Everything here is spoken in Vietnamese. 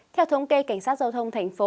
theo thống kê cảnh sát giao thông thành phố